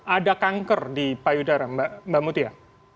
ada kanker di payudara mbak mutia